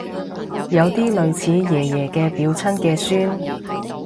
有啲類似爺爺嘅表親嘅孫